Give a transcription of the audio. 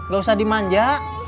gak usah dimanja